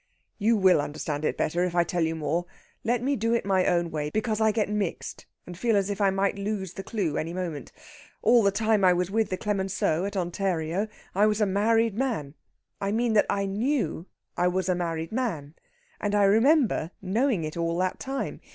"You will understand it better if I tell you more. Let me do it my own way, because I get mixed, and feel as if I might lose the clue any moment. All the time I was with the Clemenceaux at Ontario I was a married man I mean that I knew I was a married man. And I remember knowing it all that time.